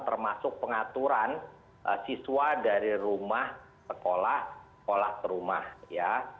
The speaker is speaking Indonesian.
termasuk pengaturan siswa dari rumah sekolah sekolah terumah ya